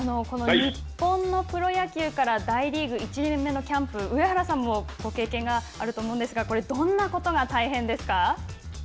この日本のプロ野球から大リーグ１年目のキャンプ上原さんもご経験があると思うんですがこれ、どんなことが大変ですか。